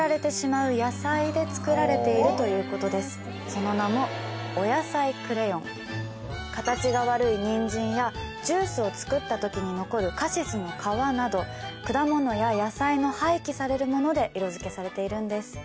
それはその名もおやさいクレヨン形が悪いニンジンやジュースを作った時に残るカシスの皮など果物や野菜の廃棄されるもので色付けされているんです